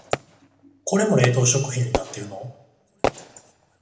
これも冷凍食品になってるの？